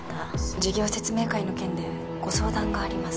事業説明会の件でご相談があります